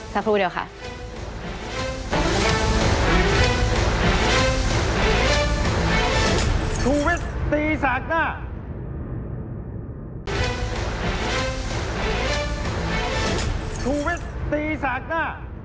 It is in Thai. สักครู่เดียวค่ะ